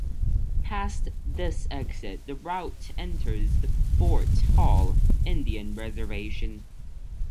Past this exit, the route enters the Fort Hall Indian Reservation.